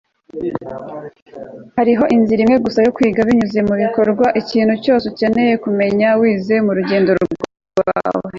hariho inzira imwe gusa yo kwiga binyuze mubikorwa ikintu cyose ukeneye kumenya wize mu rugendo rwawe